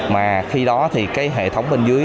mà khi đó thì cái hệ thống bên dưới